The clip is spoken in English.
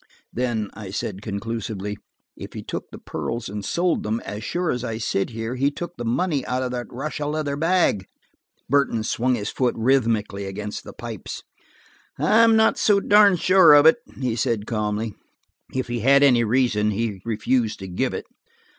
"Then," I said conclusively, "if he took the pearls and sold them, as sure as I sit here, he took the money out of that Russia leather bag." Burton swung his foot rhythmically against the pipes. "I'm not so darned sure of it," he said calmly. If he had any reason, he refused to give it.